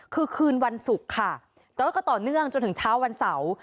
คือคืนวันศุกร์ค่ะแต่ว่าก็ต่อเนื่องจนถึงเช้าวันเสาร์